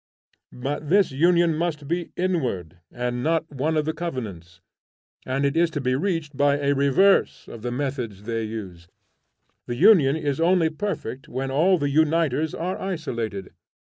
But this union must be inward, and not one of covenants, and is to be reached by a reverse of the methods they use. The union is only perfect when all the uniters are isolated.